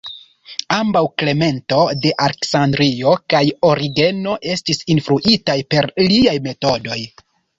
Ambaŭ Klemento de Aleksandrio kaj Origeno estis influitaj per liaj metodoj.